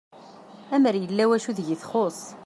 Amer yella wacu deg i txuss